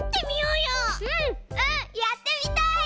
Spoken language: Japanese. うんやってみたい！